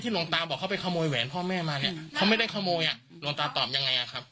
หลวงตาบอกเขาไปขโมยแหวนพ่อแม่มาเนี่ยเขาไม่ได้ขโมยอ่ะหลวงตาตอบยังไงอ่ะครับ